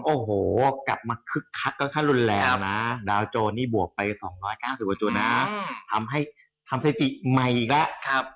โอ้โหกลับมาคึกคัดก็ค่อนแรงนะดาวน์โจนนี่บวกไป๒๙๐บาทจุดนะทำให้ทำเศรษฐีใหม่อีกแล้ว